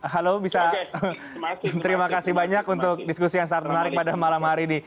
halo bisa terima kasih banyak untuk diskusi yang sangat menarik pada malam hari ini